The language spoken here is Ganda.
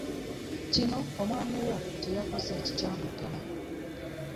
Kino omwami wo kye yakoze kikyamu ddala.